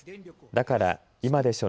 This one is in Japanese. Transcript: だから今でしょ！